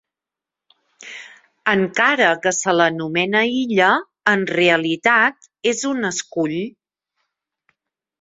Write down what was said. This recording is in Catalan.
Encara que se l'anomena illa, en realitat és un escull.